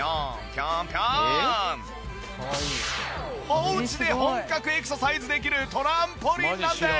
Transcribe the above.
おうちで本格エクササイズできるトランポリンなんです。